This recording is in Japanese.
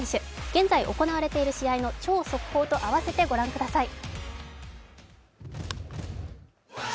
現在行われている試合の超速報と併せて御覧ください。